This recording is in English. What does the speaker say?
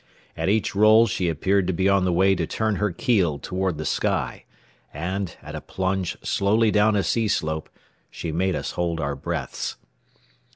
At each roll she appeared to be on the way to turn her keel toward the sky, and, at a plunge slowly down a sea slope, she made us hold our breaths.